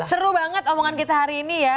seru banget omongan kita hari ini ya